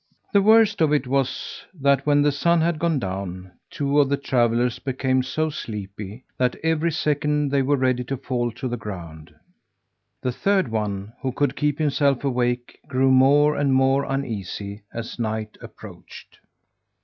The worst of it was that when the sun had gone down, two of the travellers became so sleepy that every second they were ready to fall to the ground. The third one, who could keep himself awake, grew more and more uneasy as night approached.